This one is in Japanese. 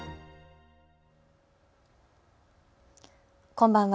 こんばんは。